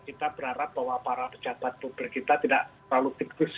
kita berharap bahwa para pejabat publik kita tidak terlalu tikus